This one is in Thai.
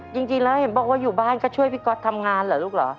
จริงแล้วเห็นบอกว่าอยู่บ้านก็ช่วยพี่ก๊อตทำงานเหรอลูกเหรอ